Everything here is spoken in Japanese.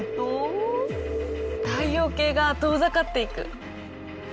太陽系が遠ざかっていく。